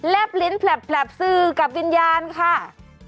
ลิ้นแผลบสื่อกับวิญญาณค่ะ